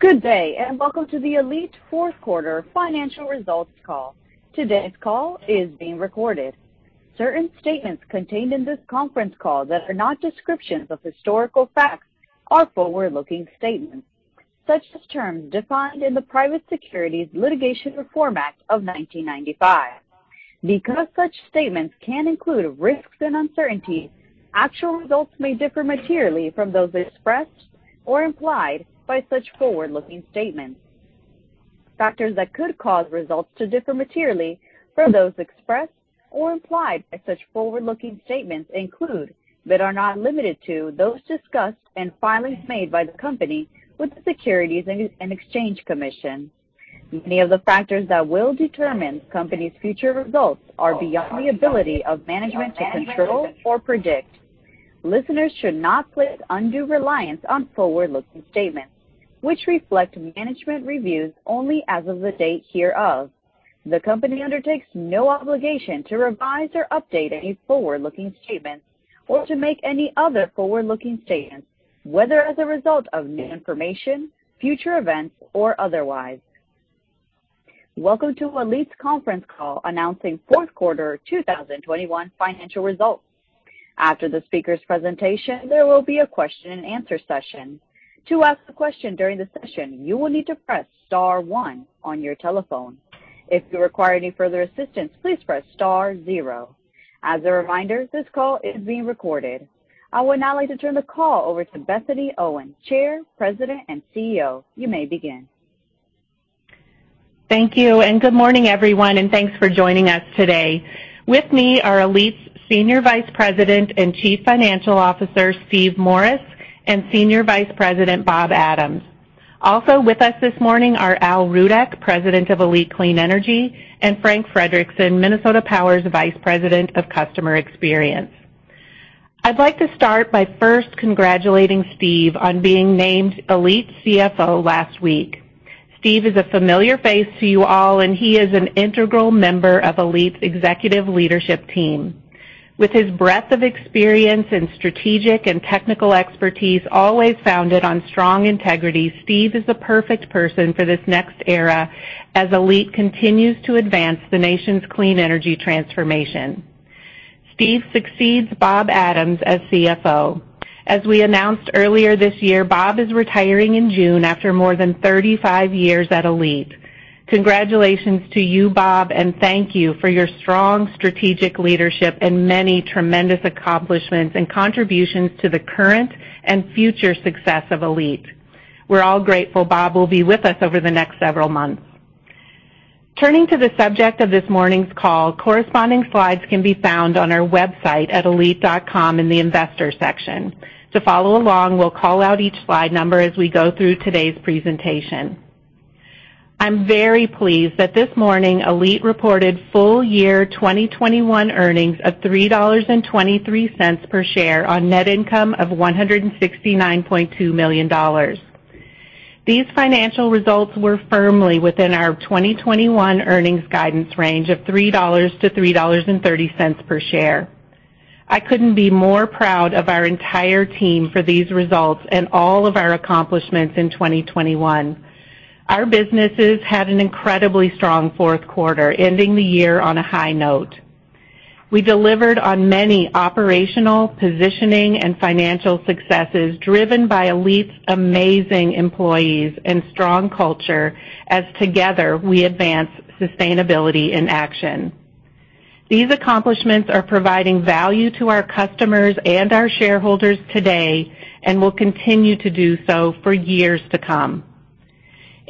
Good day, and welcome to the ALLETE fourth quarter financial results call. Today's call is being recorded. Certain statements contained in this conference call that are not descriptions of historical facts are forward-looking statements, such as terms defined in the Private Securities Litigation Reform Act of 1995. Because such statements can include risks and uncertainties, actual results may differ materially from those expressed or implied by such forward-looking statements. Factors that could cause results to differ materially from those expressed or implied by such forward-looking statements include, but are not limited to, those discussed in filings made by the company with the Securities and Exchange Commission. Many of the factors that will determine the company's future results are beyond the ability of management to control or predict. Listeners should not place undue reliance on forward-looking statements, which reflect management's views only as of the date hereof. The company undertakes no obligation to revise or update any forward-looking statements or to make any other forward-looking statements, whether as a result of new information, future events, or otherwise. Welcome to ALLETE's conference call announcing fourth quarter 2021 financial results. After the speaker's presentation, there will be a question-and-answer session. To ask a question during the session, you will need to press star one on your telephone. If you require any further assistance, please press star zero. As a reminder, this call is being recorded. I would now like to turn the call over to Bethany Owen, Chair, President, and CEO. You may begin. Thank you, and good morning, everyone, and thanks for joining us today. With me are ALLETE's Senior Vice President and Chief Financial Officer, Steve Morris, and Senior Vice President, Bob Adams. Also with us this morning are Al Rudeck, President of ALLETE Clean Energy, and Frank Frederickson, Minnesota Power's Vice President of Customer Experience. I'd like to start by first congratulating Steve on being named ALLETE's CFO last week. Steve is a familiar face to you all, and he is an integral member of ALLETE's executive leadership team. With his breadth of experience and strategic and technical expertise, always founded on strong integrity, Steve is the perfect person for this next era as ALLETE continues to advance the nation's clean energy transformation. Steve succeeds Bob Adams as CFO. As we announced earlier this year, Bob is retiring in June after more than 35 years at ALLETE. Congratulations to you, Bob, and thank you for your strong strategic leadership and many tremendous accomplishments and contributions to the current and future success of ALLETE. We're all grateful Bob will be with us over the next several months. Turning to the subject of this morning's call, corresponding slides can be found on our website at allete.com in the Investor section. To follow along, we'll call out each slide number as we go through today's presentation. I'm very pleased that this morning ALLETE reported full year 2021 earnings of $3.23 per share on net income of $169.2 million. These financial results were firmly within our 2021 earnings guidance range of $3-$3.30 per share. I couldn't be more proud of our entire team for these results and all of our accomplishments in 2021. Our businesses had an incredibly strong fourth quarter, ending the year on a high note. We delivered on many operational, positioning, and financial successes driven by ALLETE's amazing employees and strong culture as together we advance sustainability in action. These accomplishments are providing value to our customers and our shareholders today and will continue to do so for years to come.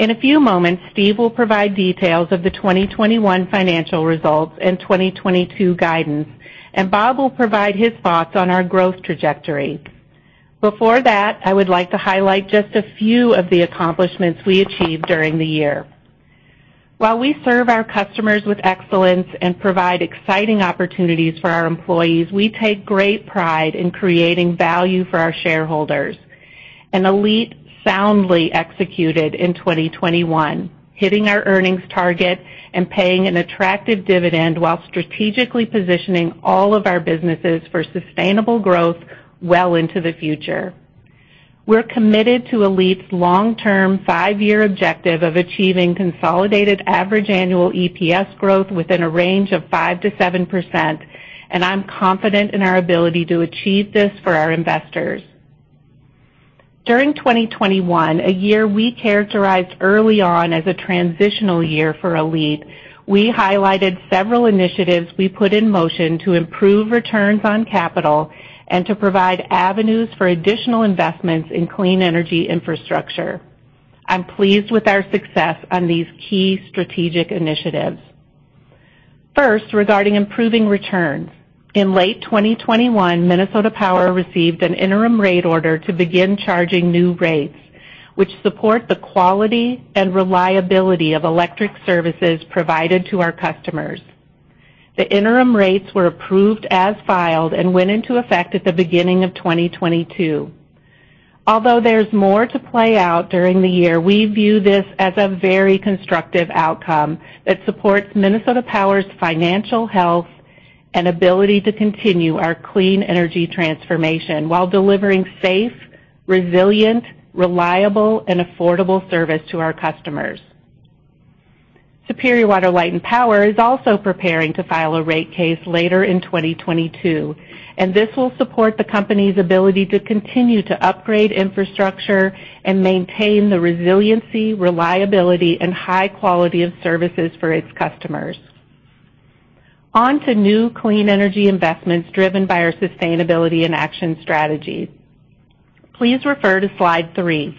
In a few moments, Steve will provide details of the 2021 financial results and 2022 guidance, and Bob will provide his thoughts on our growth trajectory. Before that, I would like to highlight just a few of the accomplishments we achieved during the year. While we serve our customers with excellence and provide exciting opportunities for our employees, we take great pride in creating value for our shareholders. ALLETE soundly executed in 2021, hitting our earnings target and paying an attractive dividend while strategically positioning all of our businesses for sustainable growth well into the future. We're committed to ALLETE's long-term five-year objective of achieving consolidated average annual EPS growth within a range of 5%-7%, and I'm confident in our ability to achieve this for our investors. During 2021, a year we characterized early on as a transitional year for ALLETE, we highlighted several initiatives we put in motion to improve returns on capital and to provide avenues for additional investments in clean energy infrastructure. I'm pleased with our success on these key strategic initiatives. First, regarding improving returns. In late 2021, Minnesota Power received an interim rate order to begin charging new rates, which support the quality and reliability of electric services provided to our customers. The interim rates were approved as filed and went into effect at the beginning of 2022. Although there's more to play out during the year, we view this as a very constructive outcome that supports Minnesota Power's financial health and ability to continue our clean energy transformation while delivering safe, resilient, reliable and affordable service to our customers. Superior Water, Light and Power is also preparing to file a rate case later in 2022, and this will support the company's ability to continue to upgrade infrastructure and maintain the resiliency, reliability and high quality of services for its customers. On to new clean energy investments driven by our sustainability and action strategies. Please refer to Slide three.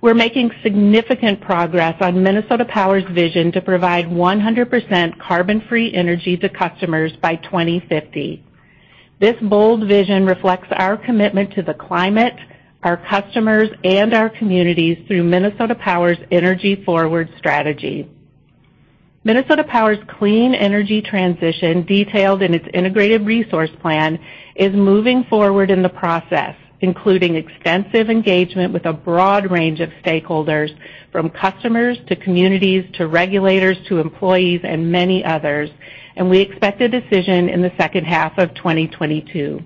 We're making significant progress on Minnesota Power's vision to provide 100% carbon-free energy to customers by 2050. This bold vision reflects our commitment to the climate, our customers and our communities through Minnesota Power's EnergyForward strategy. Minnesota Power's clean energy transition, detailed in its integrated resource plan, is moving forward in the process, including extensive engagement with a broad range of stakeholders, from customers to communities to regulators to employees and many others, and we expect a decision in the second half of 2022.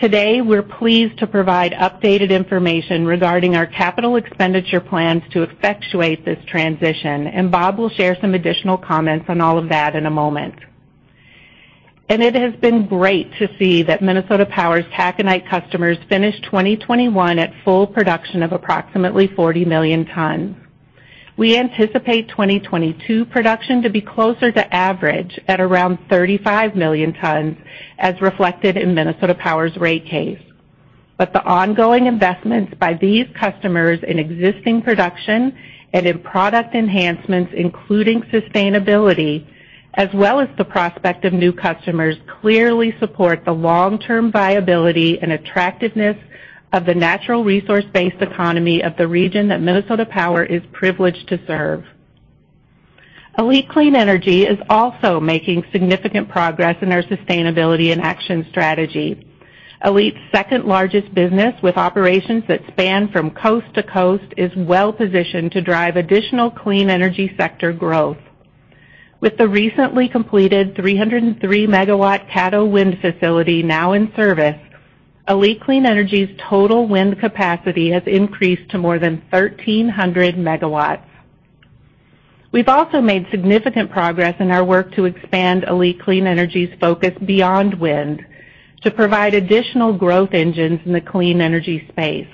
Today, we're pleased to provide updated information regarding our capital expenditure plans to effectuate this transition, and Bob will share some additional comments on all of that in a moment. It has been great to see that Minnesota Power's taconite customers finished 2021 at full production of approximately 40 million tons. We anticipate 2022 production to be closer to average at around 35 million tons, as reflected in Minnesota Power's rate case. The ongoing investments by these customers in existing production and in product enhancements, including sustainability, as well as the prospect of new customers, clearly support the long-term viability and attractiveness of the natural resource-based economy of the region that Minnesota Power is privileged to serve. ALLETE Clean Energy is also making significant progress in our sustainability and action strategy. ALLETE's second-largest business, with operations that span from coast to coast, is well-positioned to drive additional clean energy sector growth. With the recently completed 303-MW Caddo Wind facility now in service, ALLETE Clean Energy's total wind capacity has increased to more than 1,300 MW. We've also made significant progress in our work to expand ALLETE Clean Energy's focus beyond wind to provide additional growth engines in the clean energy space.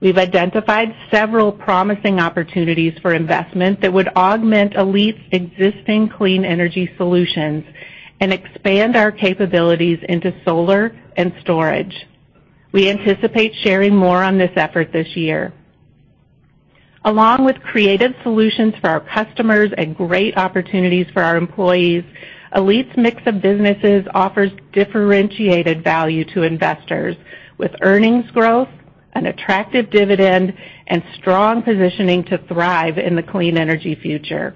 We've identified several promising opportunities for investment that would augment ALLETE's existing clean energy solutions and expand our capabilities into solar and storage. We anticipate sharing more on this effort this year. Along with creative solutions for our customers and great opportunities for our employees, ALLETE's mix of businesses offers differentiated value to investors with earnings growth, an attractive dividend and strong positioning to thrive in the clean energy future.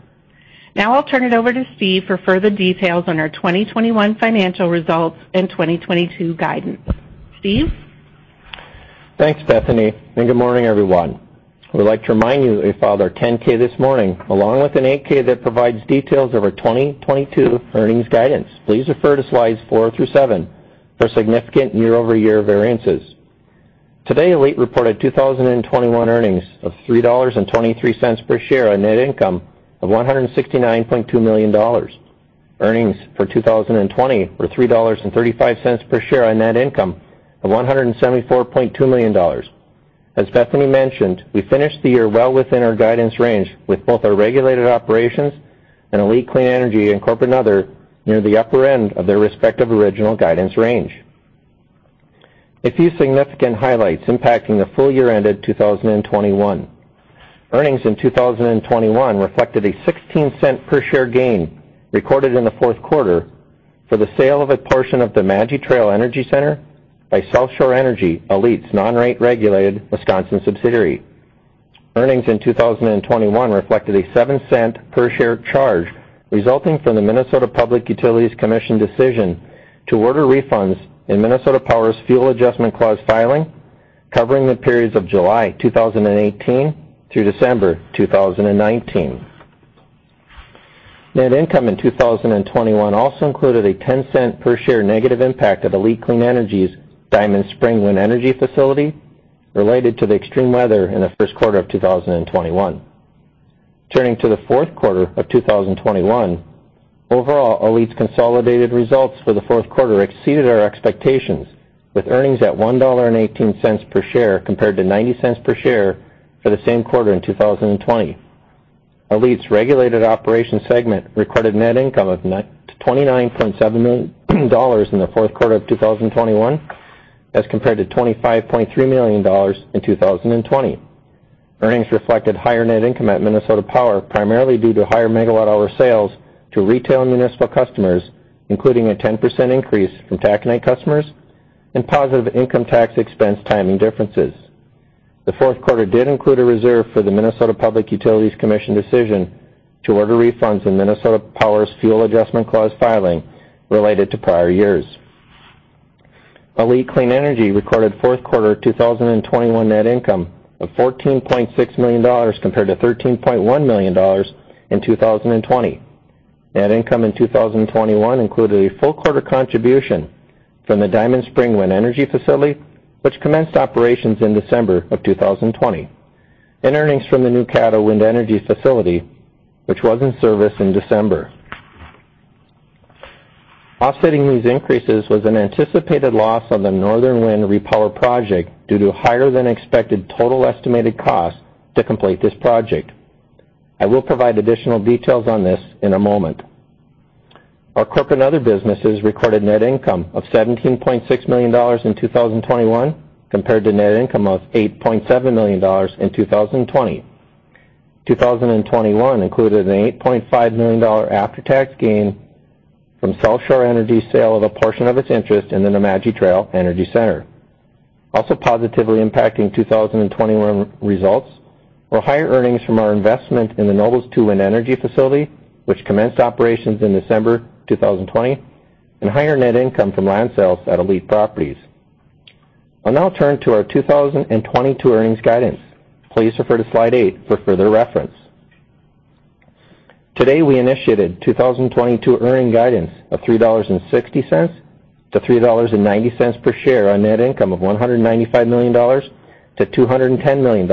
Now I'll turn it over to Steve for further details on our 2021 financial results and 2022 guidance. Steve? Thanks, Bethany, and good morning, everyone. We'd like to remind you that we filed our 10-K this morning, along with an 8-K that provides details of our 2022 earnings guidance. Please refer to slides four through seven for significant year-over-year variances. Today, ALLETE reported 2021 earnings of $3.23 per share on net income of $169.2 million. Earnings for 2020 were $3.35 per share on net income of $174.2 million. As Bethany mentioned, we finished the year well within our guidance range, with both our regulated operations and ALLETE Clean Energy and corporate other near the upper end of their respective original guidance range. A few significant highlights impacting the full year ended 2021. Earnings in 2021 reflected a $0.16 per share gain recorded in the fourth quarter for the sale of a portion of the Nemadji Trail Energy Center by South Shore Energy, ALLETE's non-rate regulated Wisconsin subsidiary. Earnings in 2021 reflected a $0.07 per share charge resulting from the Minnesota Public Utilities Commission decision to order refunds in Minnesota Power's fuel adjustment clause filing covering the periods of July 2018 through December 2019. Net income in 2021 also included a $0.10 per share negative impact of ALLETE Clean Energy's Diamond Spring Wind Energy facility related to the extreme weather in the first quarter of 2021. Turning to the fourth quarter of 2021, overall, ALLETE's consolidated results for the fourth quarter exceeded our expectations, with earnings at $1.18 per share compared to $0.90 per share for the same quarter in 2020. ALLETE's regulated operations segment recorded net income of $29.7 million in the fourth quarter of 2021 as compared to $25.3 million in 2020. Earnings reflected higher net income at Minnesota Power, primarily due to higher megawatt hour sales to retail and municipal customers, including a 10% increase from taconite customers and positive income tax expense timing differences. The fourth quarter did include a reserve for the Minnesota Public Utilities Commission decision to order refunds in Minnesota Power's fuel adjustment clause filing related to prior years. ALLETE Clean Energy recorded fourth quarter 2021 net income of $14.6 million compared to $13.1 million in 2020. Net income in 2021 included a full quarter contribution from the Diamond Spring Wind Energy Facility, which commenced operations in December 2020, and earnings from the new Caddo Wind Facility, which was in service in December. Offsetting these increases was an anticipated loss on the Northern Wind Repower Project due to higher than expected total estimated costs to complete this project. I will provide additional details on this in a moment. Our corporate and other businesses recorded net income of $17.6 million in 2021 compared to net income of $8.7 million in 2020. 2021 included an $8.5 million after-tax gain from South Shore Energy's sale of a portion of its interest in the Nemadji Trail Energy Center. Also positively impacting 2021 results were higher earnings from our investment in the Nobles 2 Wind Energy Facility, which commenced operations in December 2020, and higher net income from land sales at ALLETE Properties. I'll now turn to our 2022 earnings guidance. Please refer to slide eight for further reference. Today, we initiated 2022 earnings guidance of $3.60-$3.90 per share on net income of $195 million-$210 million.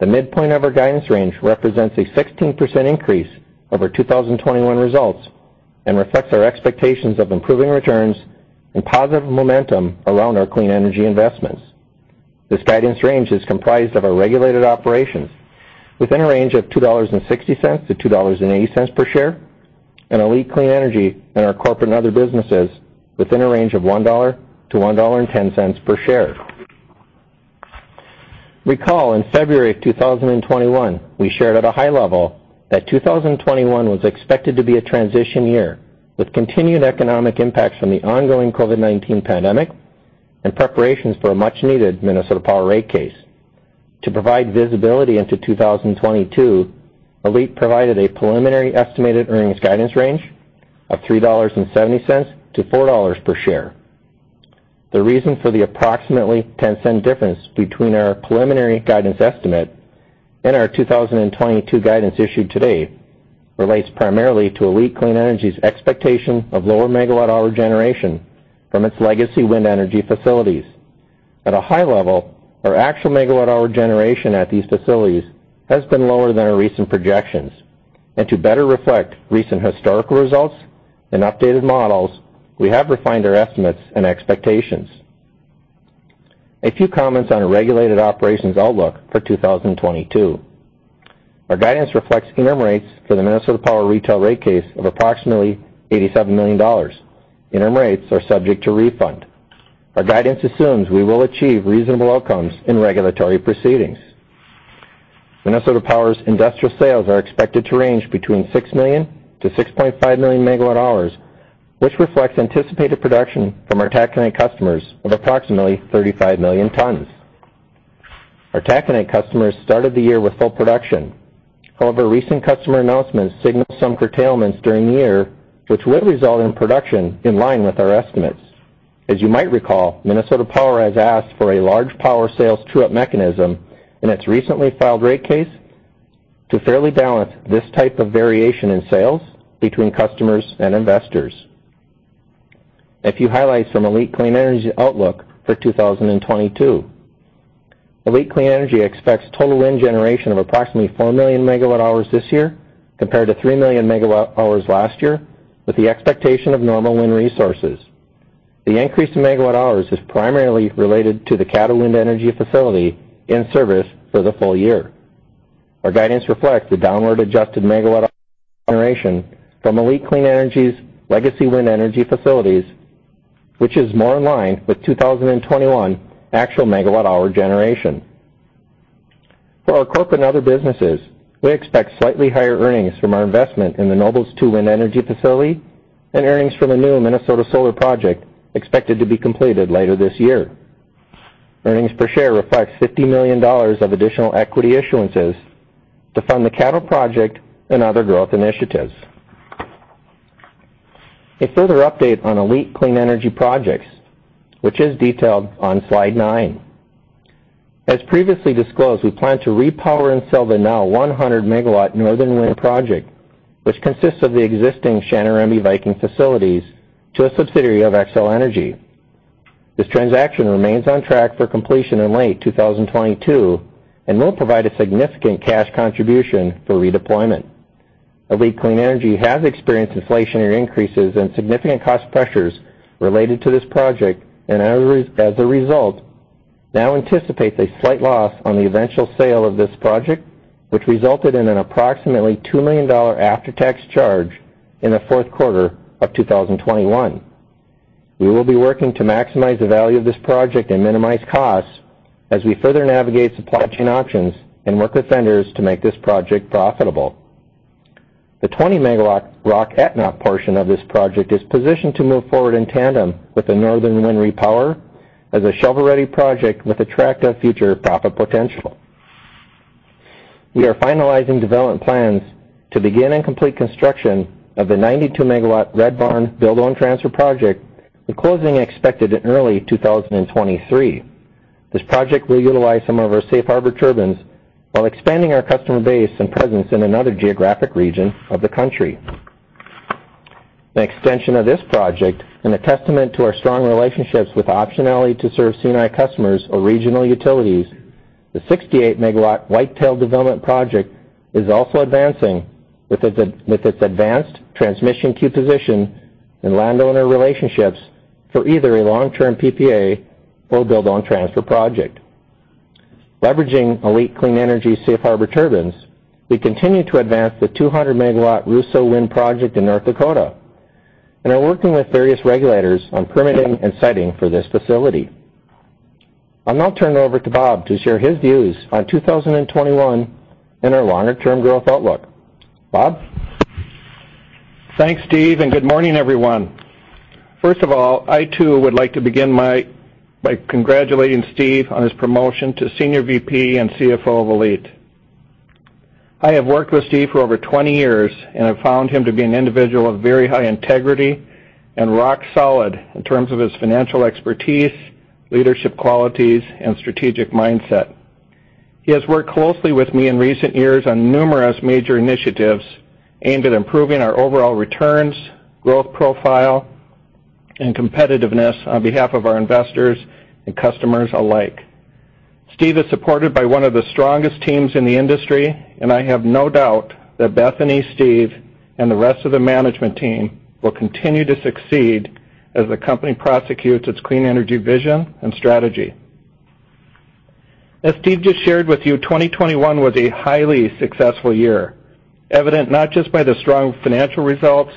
The midpoint of our guidance range represents a 16% increase over 2021 results and reflects our expectations of improving returns and positive momentum around our clean energy investments. This guidance range is comprised of our regulated operations within a range of $2.60-$2.80 per share, and ALLETE Clean Energy and our corporate and other businesses within a range of $1-$1.10 per share. Recall in February of 2021, we shared at a high level that 2021 was expected to be a transition year with continued economic impacts from the ongoing COVID-19 pandemic and preparations for a much-needed Minnesota Power rate case. To provide visibility into 2022, ALLETE provided a preliminary estimated earnings guidance range of $3.70-$4 per share. The reason for the approximately 10-cent difference between our preliminary guidance estimate and our 2022 guidance issued today relates primarily to ALLETE Clean Energy's expectation of lower megawatt-hour generation from its legacy wind energy facilities. At a high level, our actual megawatt-hour generation at these facilities has been lower than our recent projections. To better reflect recent historical results and updated models, we have refined our estimates and expectations. A few comments on our regulated operations outlook for 2022. Our guidance reflects interim rates for the Minnesota Power retail rate case of approximately $87 million. Interim rates are subject to refund. Our guidance assumes we will achieve reasonable outcomes in regulatory proceedings. Minnesota Power's industrial sales are expected to range between 6 million MWh-6.5 million MWh, which reflects anticipated production from our taconite customers of approximately 35 million tons. Our taconite customers started the year with full production. However, recent customer announcements signal some curtailments during the year, which will result in production in line with our estimates. As you might recall, Minnesota Power has asked for a large power sales true-up mechanism in its recently filed rate case to fairly balance this type of variation in sales between customers and investors. A few highlights from ALLETE Clean Energy outlook for 2022. ALLETE Clean Energy expects total wind generation of approximately 4 million MWh this year compared to 3 million MWh last year, with the expectation of normal wind resources. The increase in MWh is primarily related to the Caddo Wind Energy Facility in service for the full year. Our guidance reflects the downward-adjusted MWh generation from ALLETE Clean Energy's legacy wind energy facilities, which is more in line with 2021 actual MWh generation. For our corporate and other businesses, we expect slightly higher earnings from our investment in the Nobles 2 Wind Energy Facility and earnings from a new Minnesota solar project expected to be completed later this year. Earnings per share reflects $50 million of additional equity issuances to fund the Caddo project and other growth initiatives. A further update on ALLETE Clean Energy projects, which is detailed on slide nine. As previously disclosed, we plan to repower and sell the now 100-MW Northern Wind project, which consists of the existing Chanarambie, Viking facilities to a subsidiary of Xcel Energy. This transaction remains on track for completion in late 2022 and will provide a significant cash contribution for redeployment. ALLETE Clean Energy has experienced inflationary increases and significant cost pressures related to this project, and as a result, now anticipates a slight loss on the eventual sale of this project, which resulted in an approximately $2 million after-tax charge in the fourth quarter of 2021. We will be working to maximize the value of this project and minimize costs as we further navigate supply chain options and work with vendors to make this project profitable. The 20-MW Rock Aetna portion of this project is positioned to move forward in tandem with the Northern Wind Repower as a shovel-ready project with attractive future profit potential. We are finalizing development plans to begin and complete construction of the 92-MW Red Barn build-own-transfer project, with closing expected in early 2023. This project will utilize some of our Safe Harbor turbines while expanding our customer base and presence in another geographic region of the country. An extension of this project and a testament to our strong relationships with optionality to serve C&I customers or regional utilities, the 68-MW Whitetail development project is also advancing with its advanced transmission queue position and landowner relationships for either a long-term PPA or build-own-transfer project. Leveraging ALLETE Clean Energy Safe Harbor turbines, we continue to advance the 200-MW Ruso Wind project in North Dakota, and are working with various regulators on permitting and siting for this facility. I'll now turn it over to Bob to share his views on 2021 and our longer-term growth outlook. Bob? Thanks, Steve, and good morning, everyone. First of all, I too would like to begin by congratulating Steve on his promotion to Senior VP and CFO of ALLETE. I have worked with Steve for over 20 years, and I've found him to be an individual of very high integrity and rock solid in terms of his financial expertise, leadership qualities, and strategic mindset. He has worked closely with me in recent years on numerous major initiatives aimed at improving our overall returns, growth profile, and competitiveness on behalf of our investors and customers alike. Steve is supported by one of the strongest teams in the industry, and I have no doubt that Bethany, Steve, and the rest of the management team will continue to succeed as the company prosecutes its clean energy vision and strategy. As Steve just shared with you, 2021 was a highly successful year, evident not just by the strong financial results,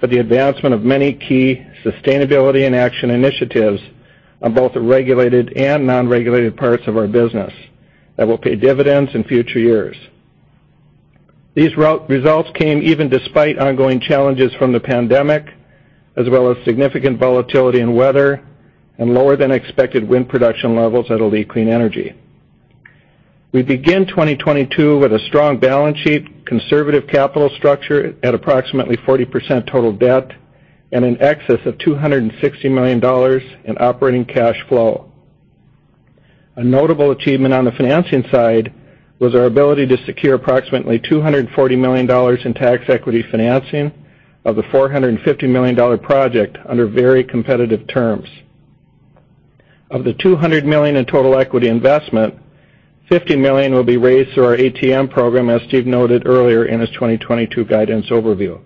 but the advancement of many key sustainability and action initiatives on both the regulated and non-regulated parts of our business that will pay dividends in future years. These results came even despite ongoing challenges from the pandemic, as well as significant volatility in weather and lower than expected wind production levels at ALLETE Clean Energy. We begin 2022 with a strong balance sheet, conservative capital structure at approximately 40% total debt, and in excess of $260 million in operating cash flow. A notable achievement on the financing side was our ability to secure approximately $240 million in tax equity financing of the $450 million project under very competitive terms. Of the $200 million in total equity investment, $50 million will be raised through our ATM program, as Steve noted earlier in his 2022 guidance overview.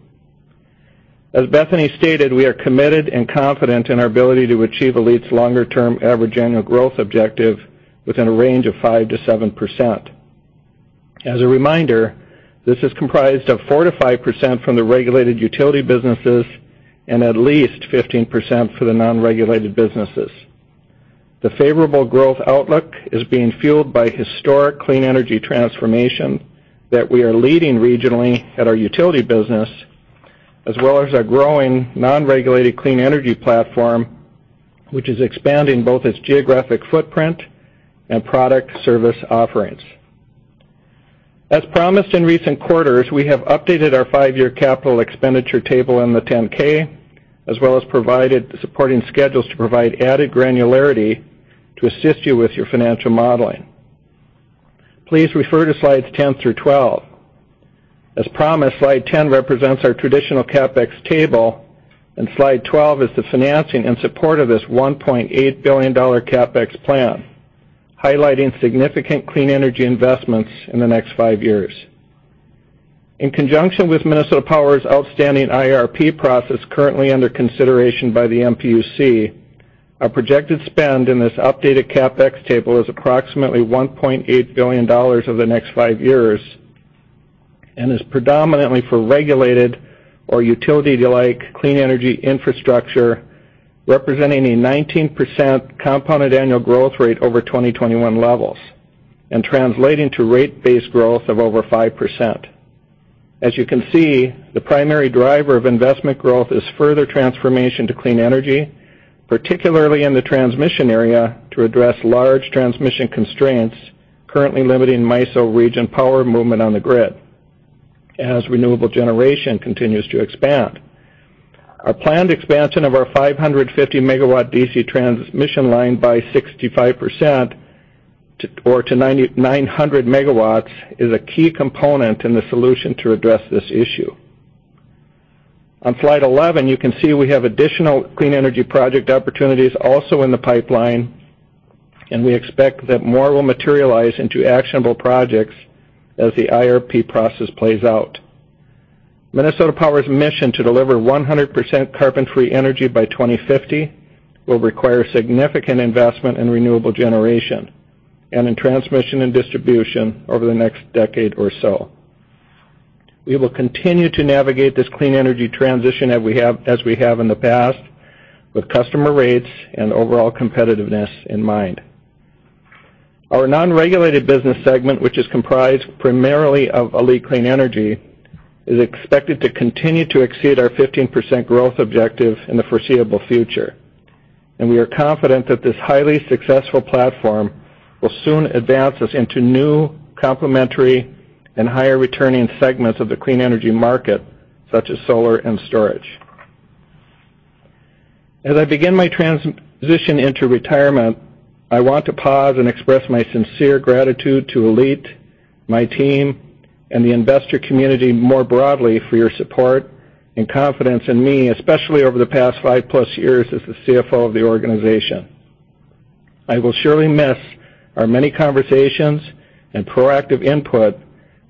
As Bethany stated, we are committed and confident in our ability to achieve ALLETE's longer-term average annual growth objective within a range of 5%-7%. As a reminder, this is comprised of 4%-5% from the regulated utility businesses and at least 15% for the non-regulated businesses. The favorable growth outlook is being fueled by historic clean energy transformation that we are leading regionally at our utility business, as well as our growing non-regulated clean energy platform, which is expanding both its geographic footprint and product service offerings. As promised in recent quarters, we have updated our five-year capital expenditure table in the 10-K, as well as provided the supporting schedules to provide added granularity to assist you with your financial modeling. Please refer to slides 10 through 12. As promised, slide 10 represents our traditional CapEx table, and slide 12 is the financing in support of this $1.8 billion CapEx plan, highlighting significant clean energy investments in the next five years. In conjunction with Minnesota Power's outstanding IRP process currently under consideration by the MPUC, our projected spend in this updated CapEx table is approximately $1.8 billion over the next five years, and is predominantly for regulated or utility-like clean energy infrastructure, representing a 19% compounded annual growth rate over 2021 levels and translating to rate-based growth of over 5%. As you can see, the primary driver of investment growth is further transformation to clean energy, particularly in the transmission area, to address large transmission constraints currently limiting MISO region power movement on the grid as renewable generation continues to expand. Our planned expansion of our 550-MW DC transmission line by 65% to 900 MW is a key component in the solution to address this issue. On slide 11, you can see we have additional clean energy project opportunities also in the pipeline, and we expect that more will materialize into actionable projects as the IRP process plays out. Minnesota Power's mission to deliver 100% carbon-free energy by 2050 will require significant investment in renewable generation and in transmission and distribution over the next decade or so. We will continue to navigate this clean energy transition as we have in the past, with customer rates and overall competitiveness in mind. Our non-regulated business segment, which is comprised primarily of ALLETE Clean Energy, is expected to continue to exceed our 15% growth objective in the foreseeable future. We are confident that this highly successful platform will soon advance us into new complementary and higher returning segments of the clean energy market, such as solar and storage. As I begin my transition into retirement, I want to pause and express my sincere gratitude to ALLETE, my team, and the investor community more broadly for your support and confidence in me, especially over the past five plus years as the CFO of the organization. I will surely miss our many conversations and proactive input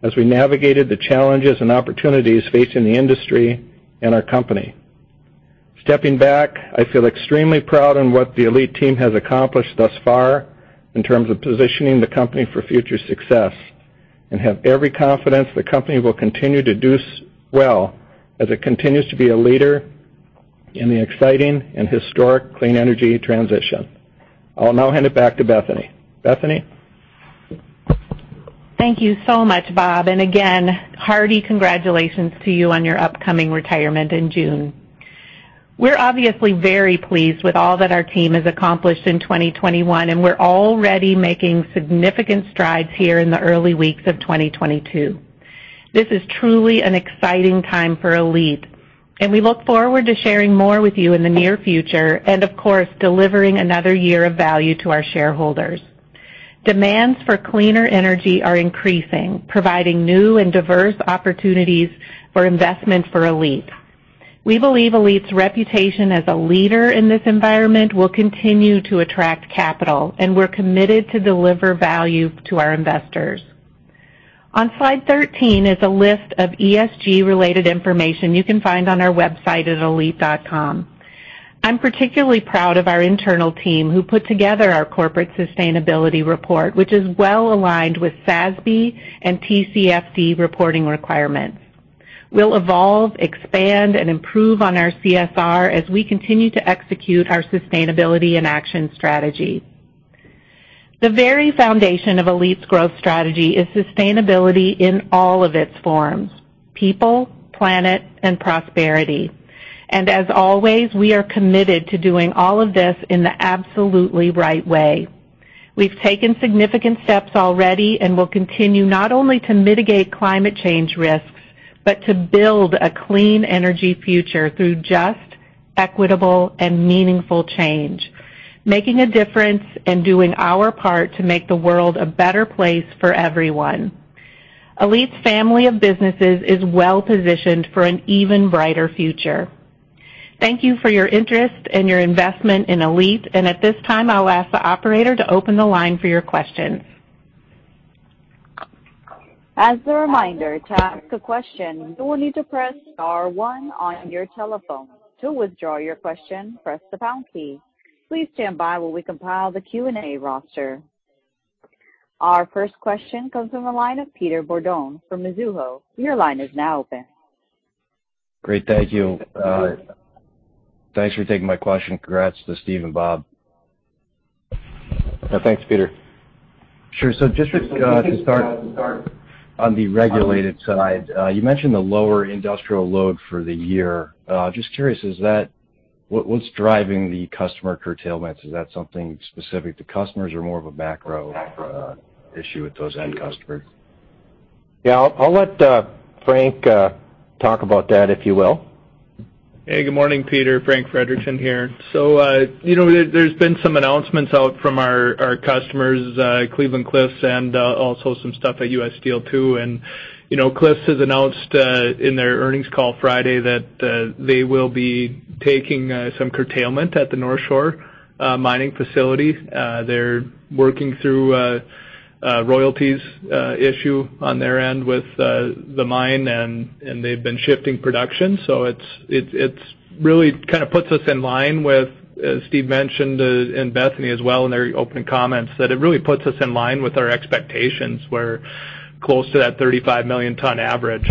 as we navigated the challenges and opportunities facing the industry and our company. Stepping back, I feel extremely proud in what the ALLETE team has accomplished thus far in terms of positioning the company for future success, and have every confidence the company will continue to do well as it continues to be a leader in the exciting and historic clean energy transition. I'll now hand it back to Bethany. Bethany? Thank you so much, Bob, and again, hearty congratulations to you on your upcoming retirement in June. We're obviously very pleased with all that our team has accomplished in 2021, and we're already making significant strides here in the early weeks of 2022. This is truly an exciting time for ALLETE, and we look forward to sharing more with you in the near future and of course, delivering another year of value to our shareholders. Demands for cleaner energy are increasing, providing new and diverse opportunities for investment for ALLETE. We believe ALLETE's reputation as a leader in this environment will continue to attract capital, and we're committed to deliver value to our investors. On slide 13 is a list of ESG-related information you can find on our website at allete.com. I'm particularly proud of our internal team, who put together our corporate sustainability report, which is well aligned with SASB and TCFD reporting requirements. We'll evolve, expand, and improve on our CSR as we continue to execute our sustainability and action strategy. The very foundation of ALLETE's growth strategy is sustainability in all of its forms, people, planet, and prosperity. As always, we are committed to doing all of this in the absolutely right way. We've taken significant steps already and will continue not only to mitigate climate change risks, but to build a clean energy future through just, equitable, and meaningful change, making a difference and doing our part to make the world a better place for everyone. ALLETE's family of businesses is well-positioned for an even brighter future. Thank you for your interest and your investment in ALLETE. At this time, I'll ask the operator to open the line for your questions. As a reminder, to ask a question, you will need to press star one on your telephone. To withdraw your question, press the pound key. Please stand by while we compile the Q&A roster. Our first question comes from the line of Peter Bourdon from Mizuho. Your line is now open. Great. Thank you. Thanks for taking my question. Congrats to Steve and Bob. Yeah. Thanks, Peter. Sure. Just to start, on the regulated side, you mentioned the lower industrial load for the year. Just curious, is that what's driving the customer curtailments? Is that something specific to customers or more of a macro issue with those end customers? Yeah. I'll let Frank talk about that, if you will. Hey, good morning, Peter. Frank Frederickson here. You know, there has been some announcements out from our customers, Cleveland-Cliffs and also some stuff at U.S. Steel too. You know, Cliffs has announced in their earnings call Friday that they will be taking some curtailment at the Northshore Mining Facility. They're working through a royalties issue on their end with the mine and they've been shifting production. It really kind of puts us in line with, as Steve mentioned, and Bethany as well in their opening comments, that it really puts us in line with our expectations. We're close to that 35 million ton average.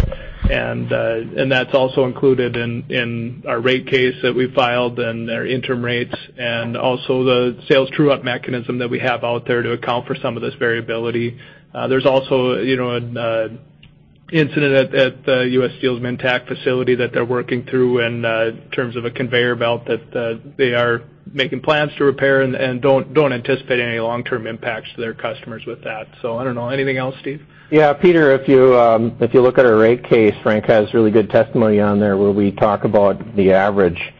That's also included in our rate case that we filed and our interim rates and also the sales true-up mechanism that we have out there to account for some of this variability. There's also, you know, an incident at U.S. Steel's Minntac facility that they're working through in terms of a conveyor belt that they are making plans to repair and don't anticipate any long-term impacts to their customers with that. I don't know. Anything else, Steve? Yeah. Peter, if you look at our rate case, Frank has really good testimony on there where we talk about the average,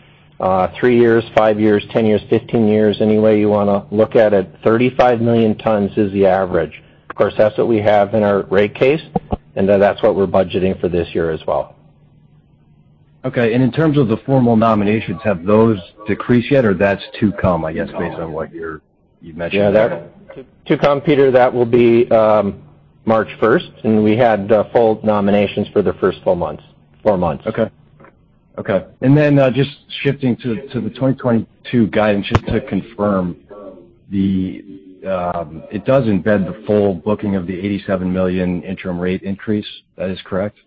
three years, five years, 10 years, 15 years, any way you wanna look at it, 35 million tons is the average. Of course, that's what we have in our rate case, and that's what we're budgeting for this year as well. Okay. In terms of the formal nominations, have those decreased yet, or that's to come, I guess, based on what you mentioned? That to come, Peter. That will be March 1st, and we had full nominations for the first four months. Just shifting to the 2022 guidance, just to confirm that it does embed the full booking of the $87 million interim rate increase. That is correct?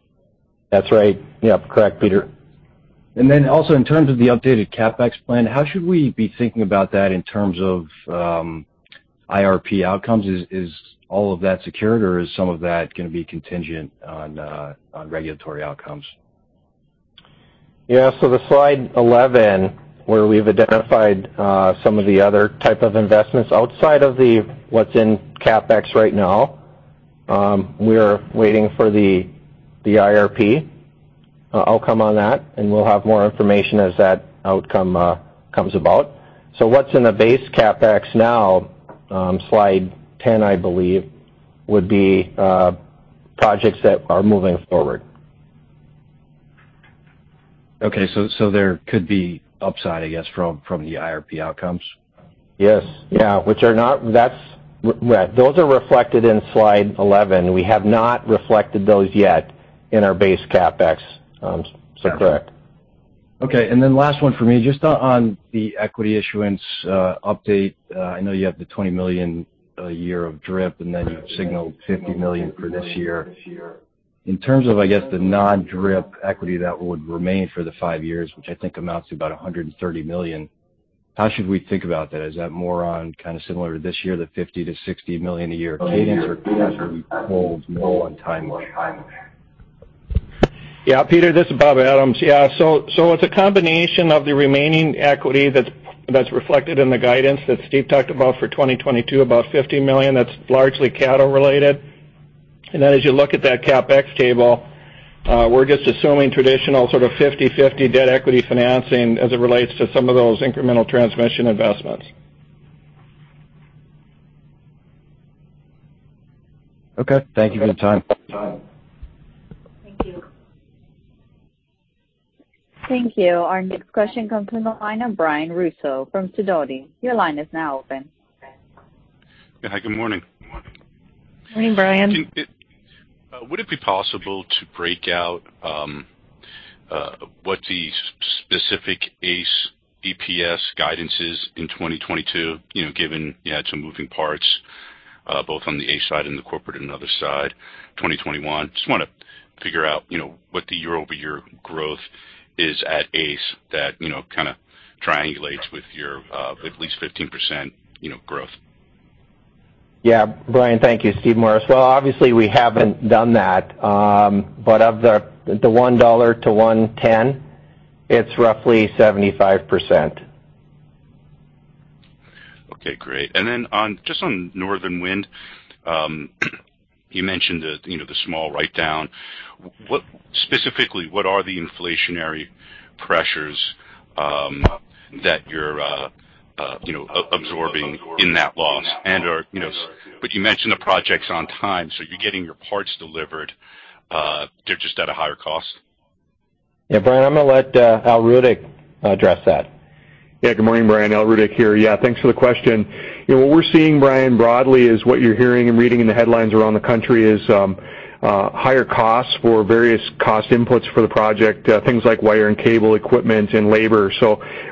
That's right. Yeah. Correct, Peter. Then also in terms of the updated CapEx plan, how should we be thinking about that in terms of IRP outcomes? Is all of that secured, or is some of that gonna be contingent on regulatory outcomes? The slide 11, where we've identified some of the other type of investments outside of what's in CapEx right now, we are waiting for the IRP outcome on that, and we'll have more information as that outcome comes about. What's in the base CapEx now, slide 10, I believe, would be projects that are moving forward. Okay. There could be upside, I guess, from the IRP outcomes? Yes. Those are reflected in slide 11. We have not reflected those yet in our base CapEx, so correct. Last one for me. Just on the equity issuance, update. I know you have the $20 million a year of DRIP, and then you've signaled $50 million for this year. In terms of, I guess, the non-DRIP equity that would remain for the five years, which I think amounts to about $130 million, how should we think about that? Is that more on kind of similar to this year, the $50 million-$60 million a year cadence, or do you actually hold more on timeline? Yeah. Peter, this is Bob Adams. Yeah. It's a combination of the remaining equity that's reflected in the guidance that Steve talked about for 2022, about $50 million. That's largely Caddo related. Then as you look at that CapEx table, we're just assuming traditional sort of 50/50 debt equity financing as it relates to some of those incremental transmission investments. Okay. Thank you for the time. Thank you. Thank you. Our next question comes from the line of Brian Russo from Sidoti. Your line is now open. Yeah. Hi, good morning. Morning, Brian. Would it be possible to break out what the specific ACE EPS guidance is in 2022, you know, given you had some moving parts both on the ACE side and the corporate and other side, 2021. Just wanna figure out, you know, what the year-over-year growth is at ACE that, you know, kind of triangulates with your at least 15% growth. Yeah. Brian, thank you. Steve Morris. Well, obviously, we haven't done that. Of the $1-$1.10, it's roughly 75%. Okay, great. Just on Northern Wind, you mentioned the, you know, the small write down. Specifically, what are the inflationary pressures that you're, you know, absorbing in that loss and/or, you know. You mentioned the project's on time, so you're getting your parts delivered, they're just at a higher cost. Yeah, Brian, I'm gonna let Al Rudeck address that. Yeah, good morning, Brian. Al Rudeck here. Yeah, thanks for the question. You know, what we're seeing, Brian, broadly is what you're hearing and reading in the headlines around the country is higher costs for various cost inputs for the project, things like wire and cable equipment and labor.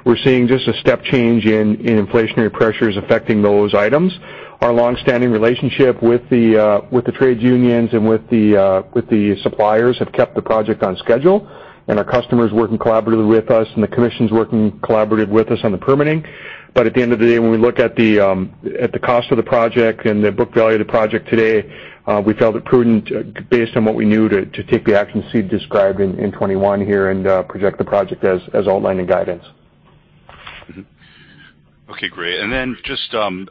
We're seeing just a step change in inflationary pressures affecting those items. Our longstanding relationship with the trade unions and with the suppliers have kept the project on schedule, and our customers working collaboratively with us, and the commission's working collaborative with us on the permitting. At the end of the day, when we look at the cost of the project and the book value of the project today, we felt it prudent based on what we knew to take the action Steve described in 2021 here and project the project as outlined in guidance. Mm-hmm. Okay, great. Just in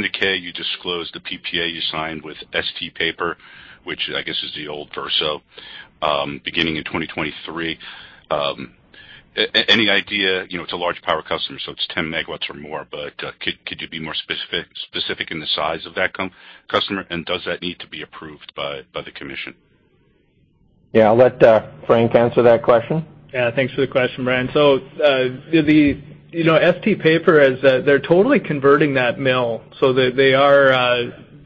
the K, you disclosed the PPA you signed with ST Paper, which I guess is the old Verso, beginning in 2023. Any idea, you know, it's a large power customer, so it's 10 MW or more, but could you be more specific in the size of that customer, and does that need to be approved by the commission? Yeah, I'll let Frank answer that question. Yeah. Thanks for the question, Brian. You know, ST Paper is, they're totally converting that mill.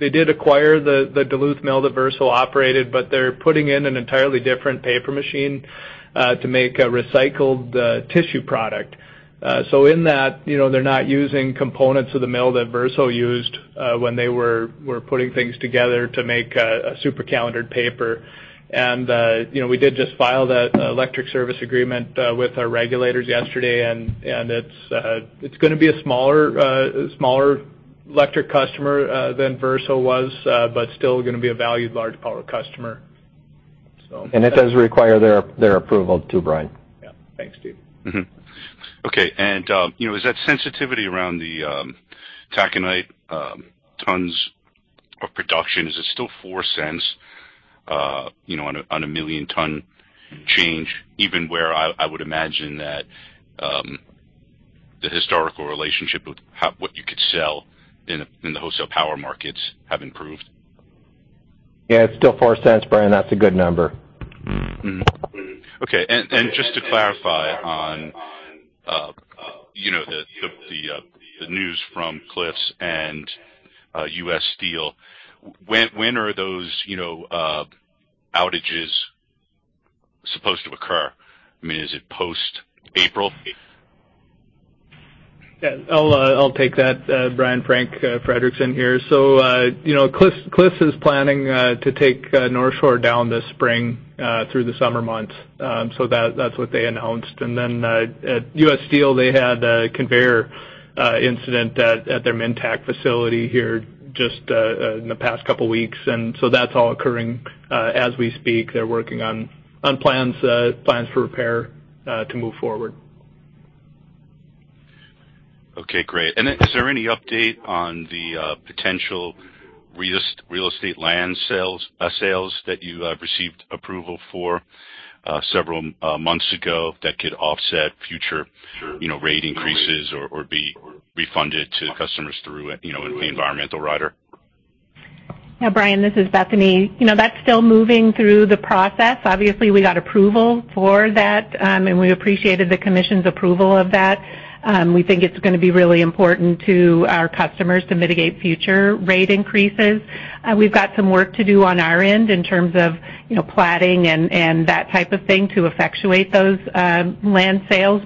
They did acquire the Duluth mill that Verso operated, but they're putting in an entirely different paper machine to make a recycled tissue product. In that, you know, they're not using components of the mill that Verso used when they were putting things together to make a supercalendered paper. You know, we did just file the electric service agreement with our regulators yesterday, and it's gonna be a smaller electric customer than Verso was, but still gonna be a valued large power customer. It does require their approval too, Brian. Yeah. Thanks, Steve. Mm-hmm. Okay. You know, is that sensitivity around the taconite tons of production still $0.04 on a 1-million-ton change, even where I would imagine that the historical relationship with what you could sell in the wholesale power markets have improved? Yeah, it's still $0.04, Brian. That's a good number. Mm-hmm. Okay. Just to clarify on, you know, the news from Cliffs and U.S. Steel, when are those, you know, outages supposed to occur? I mean, is it post-April? Yeah. I'll take that, Brian. Frank Frederickson here. You know, Cliffs is planning to take Northshore down this spring through the summer months. That's what they announced. At U.S. Steel, they had a conveyor incident at their Minntac facility here just in the past couple weeks. That's all occurring as we speak. They're working on plans for repair to move forward. Okay, great. Is there any update on the potential real estate land sales that you have received approval for several months ago that could offset future, you know, rate increases or be refunded to customers through, you know, the environmental rider? Yeah, Brian, this is Bethany. You know, that's still moving through the process. Obviously, we got approval for that, and we appreciated the commission's approval of that. We think it's gonna be really important to our customers to mitigate future rate increases. We've got some work to do on our end in terms of, you know, platting and that type of thing to effectuate those land sales.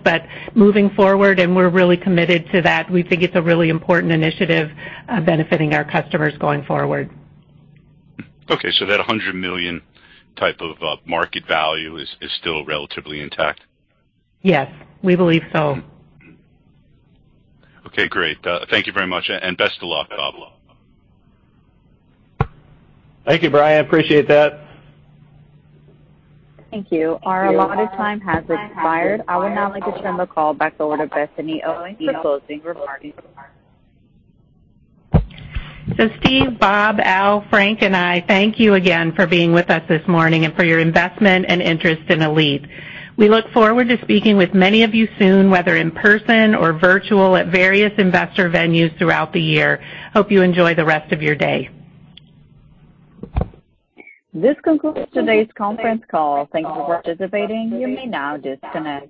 Moving forward, we're really committed to that, we think it's a really important initiative, benefiting our customers going forward. Okay. That $100 million type of market value is still relatively intact? Yes, we believe so. Okay, great. Thank you very much, and best of luck, Bob. Thank you, Brian. Appreciate that. Thank you. Our allotted time has expired. I would now like to turn the call back over to Bethany Owen for closing remarks. Steve, Bob, Al Rudeck, Frank Frederickson, and I thank you again for being with us this morning and for your investment and interest in ALLETE. We look forward to speaking with many of you soon, whether in person or virtual, at various investor venues throughout the year. Hope you enjoy the rest of your day. This concludes today's conference call. Thank you for participating. You may now disconnect.